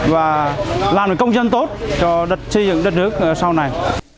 và làm công dân tốt cho xây dựng đất nước sau này